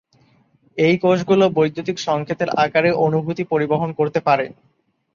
এই কোষগুলো বৈদ্যুতিক সংকেতের আকারে অনুভূতি পরিবহন করতে পারে।